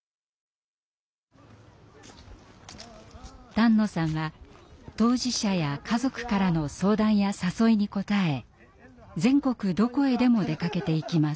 丹野さんは当事者や家族からの相談や誘いにこたえ全国どこへでも出かけていきます。